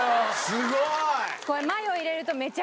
すごーい！